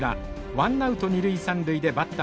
ワンナウト二塁三塁でバッター